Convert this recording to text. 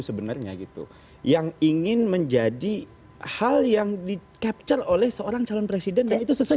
sebenarnya gitu yang ingin menjadi hal yang di capture oleh seorang calon presiden dan itu sesuai